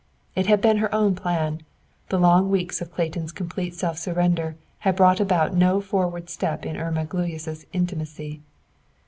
It had been her own plan. The long weeks of Clayton's complete self surrender had brought about no forward step in Irma Gluyas' intimacy.